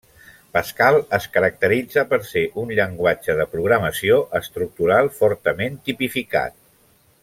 Pascal es caracteritza per ser un llenguatge de programació estructurat fortament tipificat.